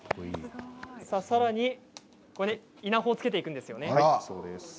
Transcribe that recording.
最後、稲穂を付けていくんですよね。